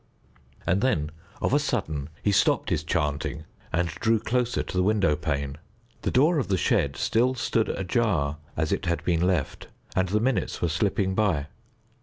And then of a sudden he stopped his chanting and drew closer to the window pane. The door of the shed still stood ajar as it had been left, and the minutes were slipping by.